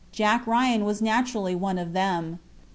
Jack Ryan was naturally one of them.